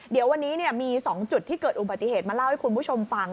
เดี๋ยววันนี้มี๒จุดที่เกิดอุบัติเหตุมาเล่าให้คุณผู้ชมฟัง